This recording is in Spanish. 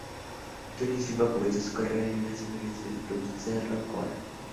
Antony Silva comenzó su carrera en las inferiores del Club Cerro Corá.